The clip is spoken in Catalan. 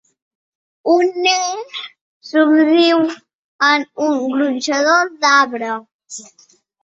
Un nen somriu en un gronxador d'arbre.